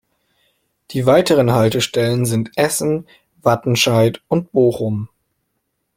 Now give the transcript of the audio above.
Die weiteren Haltestellen sind Essen, Wattenscheid und Bochum.